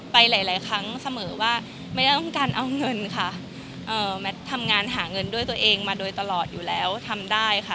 ไปหลายหลายครั้งเสมอว่าไม่ได้ต้องการเอาเงินค่ะเอ่อแมททำงานหาเงินด้วยตัวเองมาโดยตลอดอยู่แล้วทำได้ค่ะ